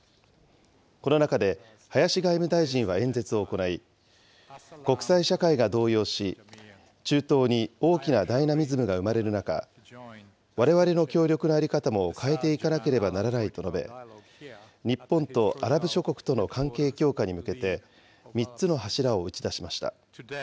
この中で、林外務大臣は演説を行い、国際社会が動揺し、中東に大きなダイナミズムが生まれる中、われわれの協力の在り方も変えていかなければならないと述べ、日本とアラブ諸国との関係強化に向けて、３つの柱を打ち出しました。